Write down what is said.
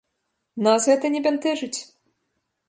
Нас гэта не бянтэжыць!